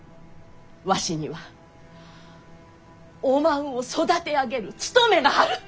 わしにはおまんを育て上げる務めがある！